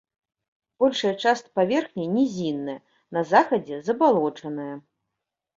Большая частка паверхні нізінная, на захадзе забалочаная.